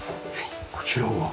こちらは？